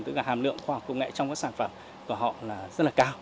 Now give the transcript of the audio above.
tức là hàm lượng khoa học công nghệ trong các sản phẩm của họ là rất là cao